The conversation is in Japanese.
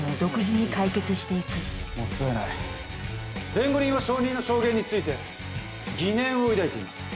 弁護人は証人の証言について疑念を抱いています。